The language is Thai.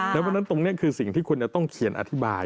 เพราะฉะนั้นตรงนี้คือสิ่งที่คุณจะต้องเขียนอธิบาย